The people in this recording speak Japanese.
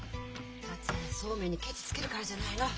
達也がそうめんにケチつけるからじゃないの。